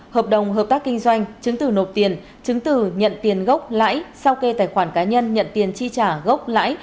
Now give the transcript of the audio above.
hợp đồng hợp tác kinh doanh chứng từ nộp tiền chứng từ nhận tiền gốc lãi sau kê tài khoản cá nhân nhận tiền chi trả gốc lãi